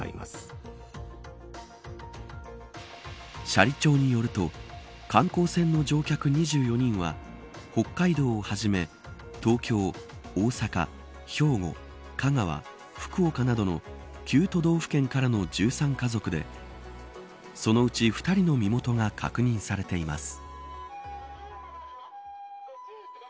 斜里町によると観光船の乗客２４人は北海道をはじめ東京、大阪、兵庫香川、福岡などの９都道府県からの１３家族でそのうち２人の身元が確認されています。